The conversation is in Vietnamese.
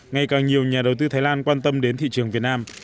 ngày càng nhiều nhà đầu tư thái lan quan tâm đến thị trường việt nam